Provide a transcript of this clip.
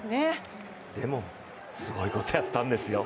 でも、すごいことやったんですよ。